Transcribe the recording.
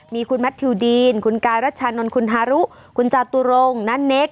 มีคุณแมททิวดีนคุณกายรัชชานนท์คุณฮารุคุณจาตุรงค์ณเนค